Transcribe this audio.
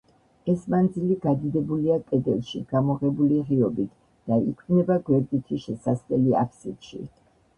ეს მანძილი გადიდებულია კედელში გამოღებული ღიობით და იქმნება გვერდითი შესასვლელი აბსიდში.